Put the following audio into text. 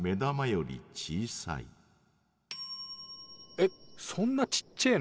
えそんなちっちぇえの？